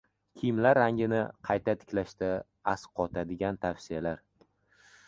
Kiyimlar rangini qayta tiklashda asqatadigan tavsiyalar